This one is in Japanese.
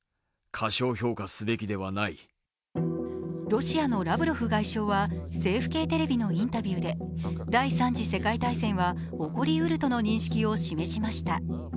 ロシアのラブロフ外相は政府系テレビのインタビューで、第３次世界大戦は起こりうるとの認識を示しました。